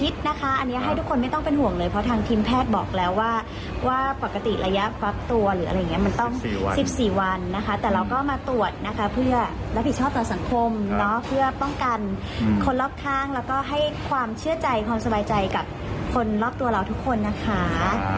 สู้ตัวเราทุกคนนะคะ